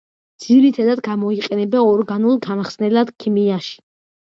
ძირითადათ გამოიყენება ორგანულ გამხსნელად ქიმიაში.